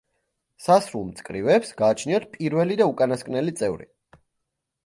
სასრულ მწკრივებს გააჩნიათ პირველი და უკანასკნელი წევრი.